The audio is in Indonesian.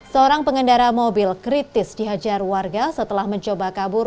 seorang pengendara mobil kritis dihajar warga setelah mencoba kabur